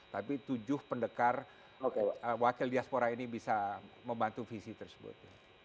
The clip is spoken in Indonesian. tapi tujuh pendekar wakil diaspora ini bisa membantu visi tersebut